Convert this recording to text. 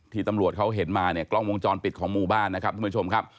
ตำรวจเขาเห็นมาเนี่ยกล้องวงจรปิดของหมู่บ้านนะครับทุกผู้ชมครับ